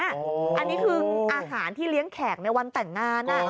อันนี้คืออาหารที่เลี้ยงแขกในวันแต่งงาน